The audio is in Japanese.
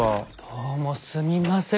どうもすみません。